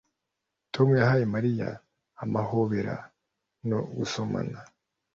Tom yahaye Mariya amuhobera no gusomana